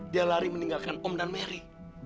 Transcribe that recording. dia lari meninggalkan om dan mary